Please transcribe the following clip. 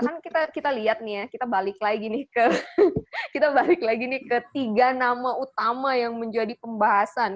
kan kita lihat nih ya kita balik lagi nih ke tiga nama utama yang menjadi pembahasan